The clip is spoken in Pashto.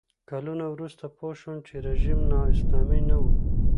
کلونه وروسته پوه شوم چې رژیم نا اسلامي نه و.